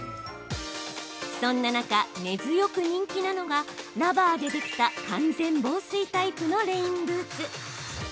そんな中、根強く人気なのがラバーでできた完全防水タイプのレインブーツ。